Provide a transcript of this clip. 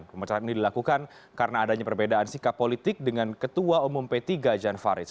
pemecatan ini dilakukan karena adanya perbedaan sikap politik dengan ketua umum p tiga jan farid